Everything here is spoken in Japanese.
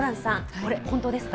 これ、本当ですか？